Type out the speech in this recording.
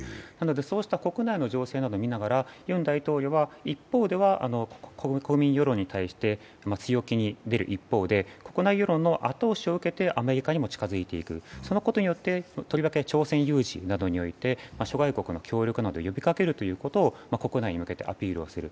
そうした国内の情勢などを見ながら、ユン大統領は一方では国民世論に対して強気に出る一方で、国内世論の後押しを受けてアメリカにも近づいていく、そのことによってとりわけ朝鮮有事において諸外国の協力などを呼びかけることを国外に向けてアピールする。